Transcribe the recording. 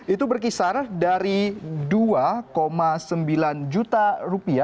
itu berkisar dari dua sembilan juta rupiah hingga tujuh dua juta rupiah